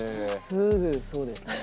すぐそうですね。